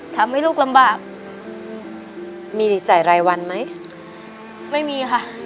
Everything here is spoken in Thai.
ทำให้ลูกลำบากมีจ่ายรายวันไหมไม่มีค่ะ